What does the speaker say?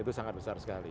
itu sangat besar sekali